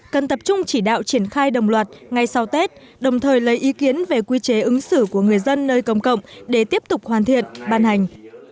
cần tập trung chỉ đạo triển khai đồng loạt ngay sau tết đồng thời lấy ý kiến về quy chế ứng xử của người dân nơi công cộng để tiếp tục hoàn thiện ban hành